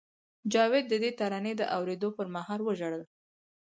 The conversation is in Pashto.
جاوید د دې ترانې د اورېدو پر مهال وژړل